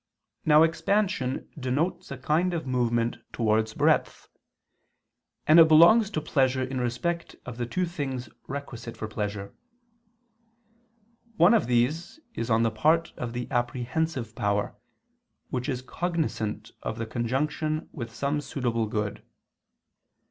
Now expansion denotes a kind of movement towards breadth; and it belongs to pleasure in respect of the two things requisite for pleasure. One of these is on the part of the apprehensive power, which is cognizant of the conjunction with some suitable good.